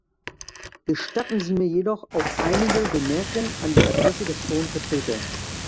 Gestatten Sie mir jedoch auch einige Bemerkungen an die Adresse des Hohen Vertreters.